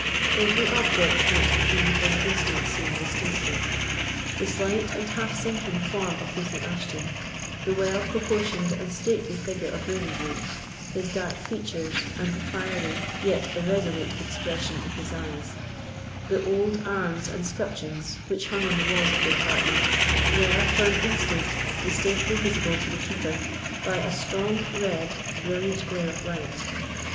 Every object might have been for an instant seen distinctly. The slight and half sinking form of Lucy Ashton; the well proportioned and stately figure of Ravenswood, his dark features, and the fiery yet irresolute expression of his eyes; the old arms and scutcheons which hung on the walls of the apartment, were for an instant distinctly visible to the Keeper by a strong red brilliant glare of light.